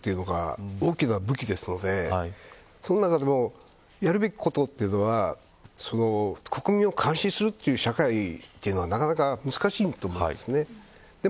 警察は警察力というのが大きな武器なのでその中でもやるべきことというのは国民を監視するという社会はなかなか難しいと思うんですね。